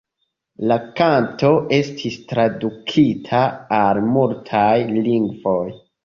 La kanto estis tradukita al multaj lingvoj.